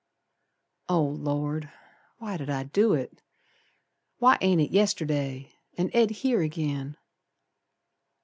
Oh, Lord! Why did I do it? Why ain't it yesterday, and Ed here agin?